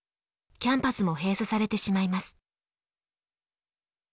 キャンパスも閉鎖されてしまいます。